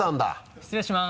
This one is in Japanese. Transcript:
失礼します。